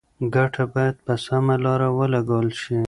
ګټه باید په سمه لاره ولګول شي.